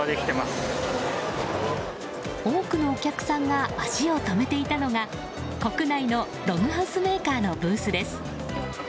多くのお客さんが足を止めていたのが国内のログハウスメーカーのブースです。